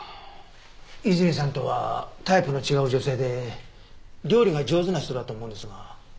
いずみさんとはタイプの違う女性で料理が上手な人だと思うんですが。